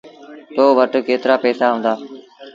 تو وٽ ڪيترآ پئيٚسآ هُݩدآ۔